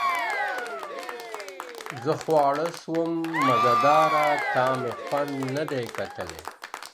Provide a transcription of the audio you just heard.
زه خواړه سوم، مزه داره تا مي خوند نه دی کتلی.